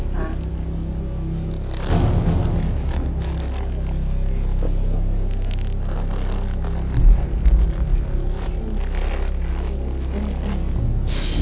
ค่ะ